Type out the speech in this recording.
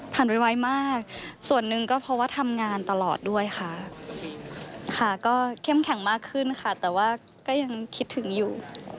ไวมากส่วนหนึ่งก็เพราะว่าทำงานตลอดด้วยค่ะค่ะก็เข้มแข็งมากขึ้นค่ะแต่ว่าก็ยังคิดถึงอยู่